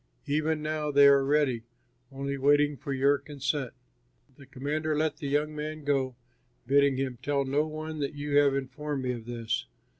Even now they are ready, only waiting for your consent." The commander let the young man go, bidding him, "Tell no one that you have informed me of this."